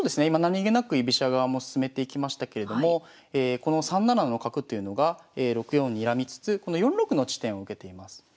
今何気なく居飛車側も進めていきましたけれどもこの３七の角というのが６四にらみつつこの４六の地点を受けています。